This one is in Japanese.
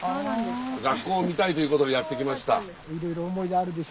学校を見たいということでやって来ました。